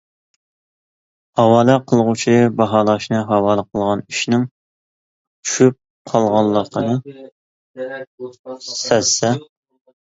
ھاۋالە قىلغۇچى باھالاشنى ھاۋالە قىلغان ئىشنىڭ چۈشۈپ قالغانلىقىنى سەزسە.